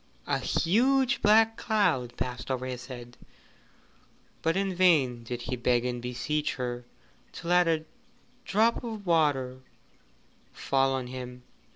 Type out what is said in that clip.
A huge black cloud passed over his head, but in vain did he beg and beseech her to let a drop of water fall on him.